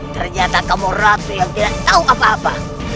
ternyata kamu ratu yang tidak tahu apa apa